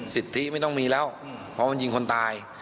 สิทธิไม่ต้องมีแล้วเพราะมันยิงคนตาย